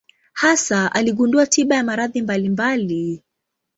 Hasa aligundua tiba ya maradhi mbalimbali.